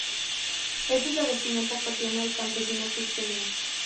Ésta es la vestimenta cotidiana del campesino cusqueño.